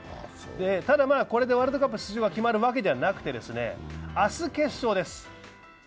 ただ、これでワールドカップ出場が決まるわけではなくて明日決勝です。